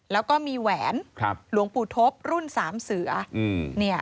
แล้วก็มีแหวนหลวงปู่ทบรุ่นสามเสือ